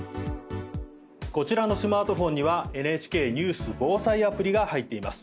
こちらのスマートフォンにはＮＨＫニュース・防災アプリが入っています。